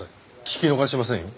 聞き逃しませんよ。